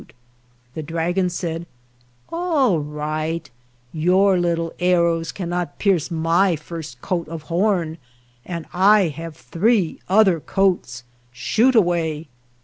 The dragon said, "All right; your little arrows cannot pierce my first coat of horn, and I have three other coats — shoot away."